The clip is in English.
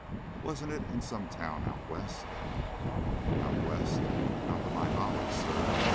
Wasn't it in some town out West?" "Out West? Not to my knowledge, sir.